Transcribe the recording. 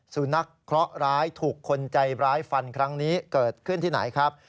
สุนัขเคราะหร้ายถูกคนใจร้ายฟันครั้งนี้เกิดขึ้นที่ไหนครับ